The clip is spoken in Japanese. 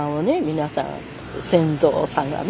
皆さん先祖さんがね